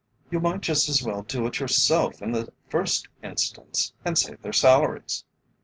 You might just as well do it yourself in the first instance, and save their salaries.